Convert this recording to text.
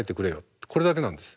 これだけなんです。